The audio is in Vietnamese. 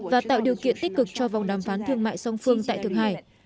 và tạo điều kiện tích cực cho vòng đàm phán thương mại song phương tại thượng hải